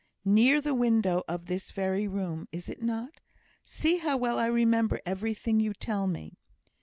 Near the window of this very room, is it not? See how well I remember everything you tell me."